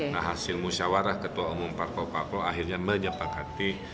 nah hasil musyawarah ketua umum parpol parpol akhirnya menyepakati